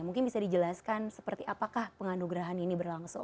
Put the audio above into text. mungkin bisa dijelaskan seperti apakah penganugerahnya